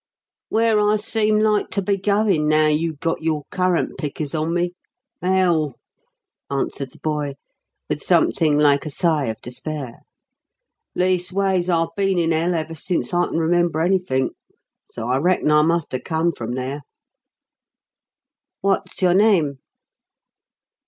"Where I seem like to be goin' now you've got your currant pickers on me Hell," answered the boy, with something like a sigh of despair. "Leastways, I been in Hell ever since I can remember anyfink, so I reckon I must have come from there." "What's your name?"